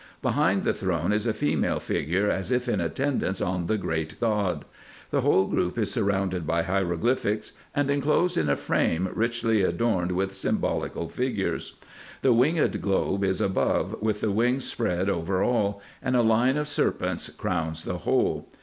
Behind the throne is a female figure as if in attendance on the great god. The whole group is surrounded by hieroglyphics, and inclosed in a frame richly adorned with symbolical figures. The winged globe is above, with the wings spread over all, and a line of serpents crowns the whole.